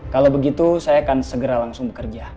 kalau begitu saya akan segera langsung bekerja